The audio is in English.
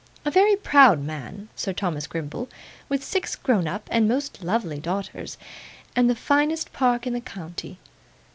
'A very proud man, Sir Thomas Grimble, with six grown up and most lovely daughters, and the finest park in the county.